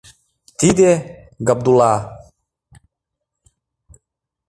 Тиде — Габдулла.